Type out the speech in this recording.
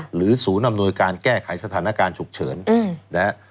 หรือศูนย์อำนวยการแก้ไขสถานการณ์ฉุกเฉิน